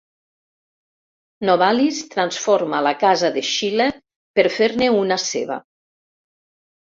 Novalis transforma la casa de Schiller, per fer-ne una seva.